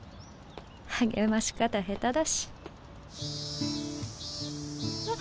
励まし方下手だしえっ？